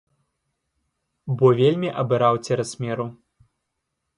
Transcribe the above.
Бо вельмі абыраў цераз меру.